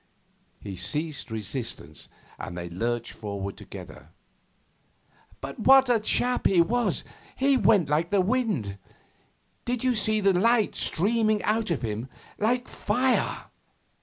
He ceased resistance, and they lurched forward together. 'But what a chap he was! He went like the wind. Did you see the light streaming out of him like fire?